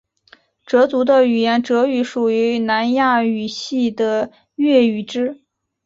哲族的语言哲语属于南亚语系的越语支。